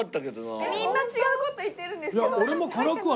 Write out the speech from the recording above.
みんな違う事言ってるんですけど。